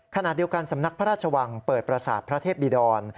ขณะเดียวกันสำนักพระราชวังเปิดประสาทพระเทพบิดร